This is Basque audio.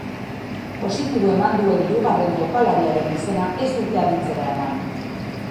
Positibo eman duen hirugarren jokalariaren izena ez dute aditzera eman.